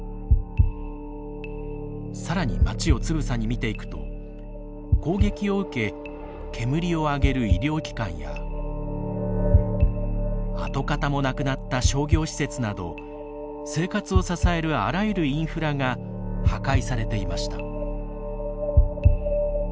さらに町をつぶさに見ていくと攻撃を受け煙を上げる医療機関や跡形もなくなった商業施設など生活を支えるあらゆるインフラが破壊されていました。